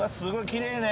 きれいね。